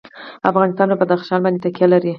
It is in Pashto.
افغانستان په بدخشان باندې تکیه لري.